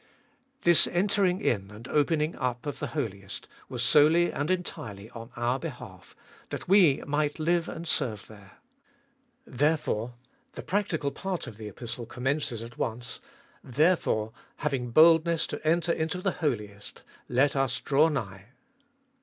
7. This entering In and opening up of the Holiest was solely and entirely on our behalf, that we might live and serve there. Therefore — the practical part of the Epistle commences at once, — therefore, having boldness to enter into the Holiest, let us draw nigh.